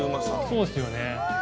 そうですよね。